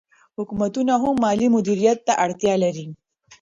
حکومتونه هم مالي مدیریت ته اړتیا لري.